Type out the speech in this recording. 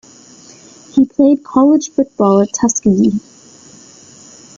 He played college football at Tuskegee.